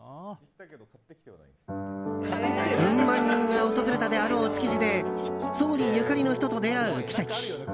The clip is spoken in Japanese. うん万人が訪れたであろう築地で総理ゆかりの人と出会う奇跡。